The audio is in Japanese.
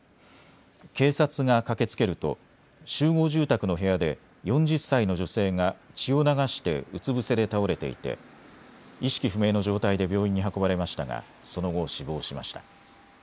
警察が駆けつけると集合住宅の部屋で４０歳の女性が血を流してうつ伏せで倒れていて意識不明の状態で病院に運ばれましたがその後、死亡しました。